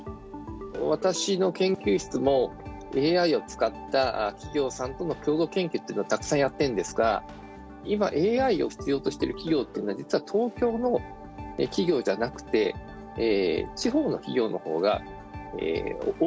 私の研究室も、ＡＩを使った企業さんとの共同研究というのはたくさんやってるんですが今、ＡＩを必要としてる企業っていうのは実は東京の企業じゃなくて地方の企業のほうが多いんだと。